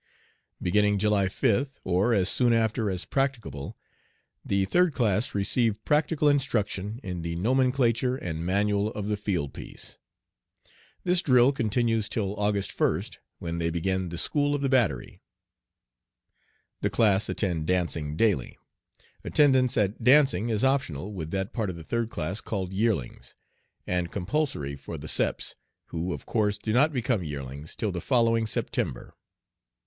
Beginning July 5th, or as soon after as practicable, the third class receive practical instruction in the nomenclature and manual of the field piece. This drill continues till August 1st, when they begin the "School of the Battery." The class attend dancing daily. Attendance at dancing is optional with that part of the third class called "yearlings," and compulsory for the "Seps," who of course do not become yearlings till the following September.